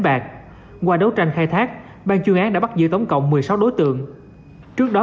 bạc qua đấu tranh khai thác ban chuyên án đã bắt giữ tổng cộng một mươi sáu đối tượng trước đó